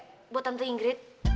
ini untuk tante ingrid